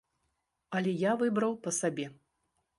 Але я выбраў па сабе.